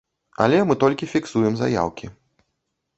Але мы толькі фіксуем заяўкі.